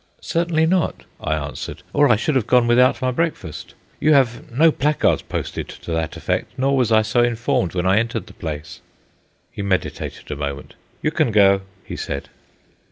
"Certainly not," I answered, "or I should have gone without my breakfast. You have no placards posted to that effect, nor was I so informed when I entered the place." He meditated a moment. "You can go," he said.